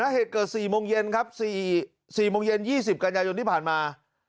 เหตุเกิด๔โมงเย็นครับ๔โมงเย็น๒๐กันยายนที่ผ่านมา